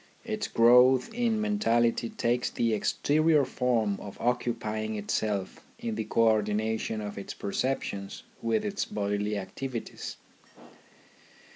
Its growth in mentality takes the exterior form of occupying itself in the co ordination of its perceptions with its bodily activities.